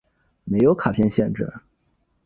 没有卡片限制。